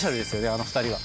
あの２人は。